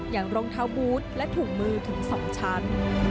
อย่างรองเท้าบูธและถุงมือถึงสองชั้น